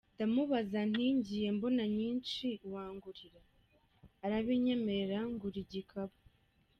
Ndamubaza nti ngiye mbona nyinshi wangurira ? Arabinyemerera ngura igikapu,… .